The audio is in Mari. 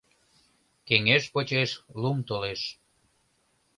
Кеҥеж почеш лум толеш.